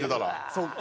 そっか。